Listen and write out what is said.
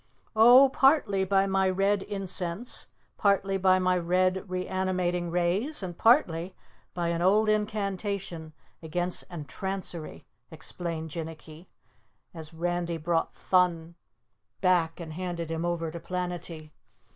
"Oh, partly by my red incense, partly by my red reanimating rays, and partly by an old incantation against entrancery," explained Jinnicky, as Randy brought Thun back and handed him over to Planetty.